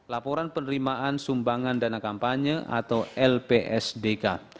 laporan penerimaan sumbangan dana kampanye atau lpsdk